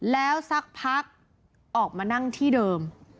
แล้วสักพักออกมานั่งที่เดิม